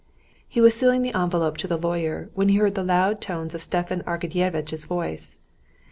He was sealing the envelope to the lawyer, when he heard the loud tones of Stepan Arkadyevitch's voice.